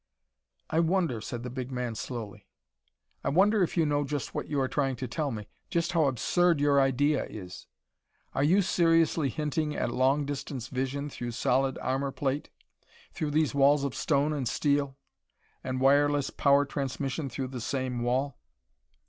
"I wonder," said the big man slowly; "I wonder if you know just what you are trying to tell me just how absurd your idea is. Are you seriously hinting at long distance vision through solid armor plate through these walls of stone and steel? And wireless power transmission through the same wall